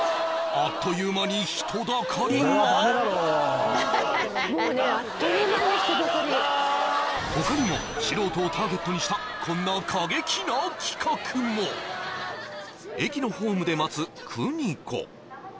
あっという間に人だかりが他にも素人をターゲットにしたこんな過激な企画も駅のホームで待つ邦子